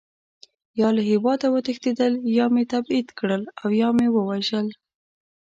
یا له هېواده وتښتېدل، یا مې تبعید کړل او یا مې ووژل.